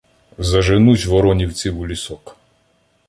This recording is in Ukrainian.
заженуть воронівців у лісок.